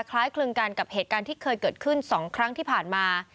คล้ายคลึงกันกับเหตุการณ์ที่เคยเกิดขึ้น๒ครั้งที่ผ่านมา